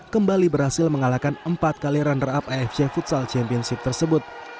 kembali berhasil mengalahkan empat kali runner up afc futsal championship tersebut